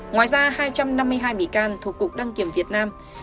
ngoài ra hai trăm năm mươi hai bị can thuộc cục đăng kiểm việt nam